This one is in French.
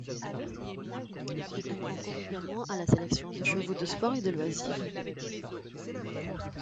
Elle concourt également à la sélection des chevaux de sport et de loisirs.